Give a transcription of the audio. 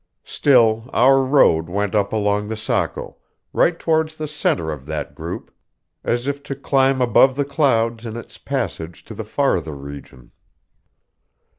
Still our road went up along the Saco, right towards the centre of that group, as if to climb above the clouds in its passage to the farther region.